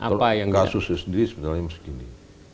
kalau kasus sendiri sebenarnya seperti ini